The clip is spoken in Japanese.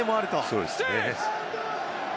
そうですね。